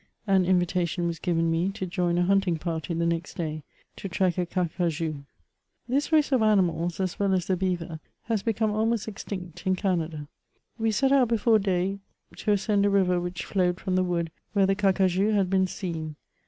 An invitation was given me to join a hunting party the next day, to track a carcajou. This race of animals, as well as the beaver, has become almost extinct in Canada. We set out before day to ascend a river which flowed from the wood, where the carcajou had been seen.